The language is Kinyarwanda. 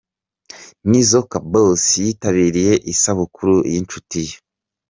Nizzo Kaboss yitabiriye isabukuru y’inshuti ye.